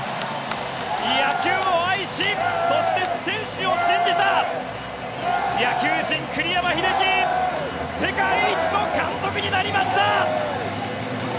野球を愛し、そして選手を信じた野球人、栗山英樹世界一の監督になりました！